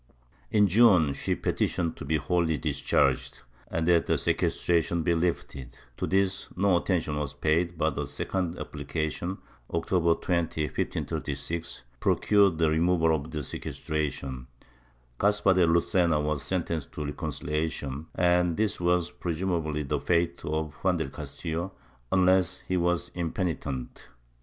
In June she petitioned to be wholly discharged and that the seques tration be lifted ; to this no attention was paid but a second appli cation, October 20, 1536 procured the removal of the sequestration. Caspar de Lucena was sentenced to reconciliation and this was presumably the fate of Juan del Castillo unless he was impenitent.'